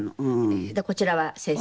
でこちらは「先生」。